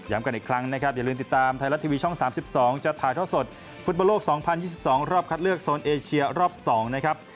กันอีกครั้งนะครับอย่าลืมติดตามไทยรัฐทีวีช่อง๓๒จะถ่ายท่อสดฟุตบอลโลก๒๐๒๒รอบคัดเลือกโซนเอเชียรอบ๒นะครับ